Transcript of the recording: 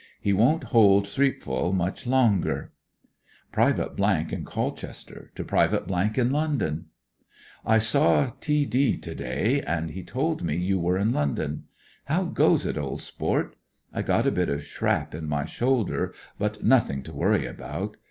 He won't hold Thi^pval much longer." Private in Colchester to Private in London :I saw T D to day, and he told me you were in London. How goes it, old sport ? I £T0t a bit of shrap in my shoulder, but nothing to worry about.